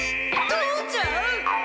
父ちゃん！？